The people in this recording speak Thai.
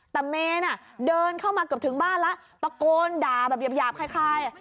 แต่เมนเดินเข้ามาเกือบถึงบ้านแล้วตะโกนด่าแบบหยาบคล้าย